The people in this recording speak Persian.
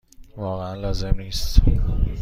واقعا لازم نیست.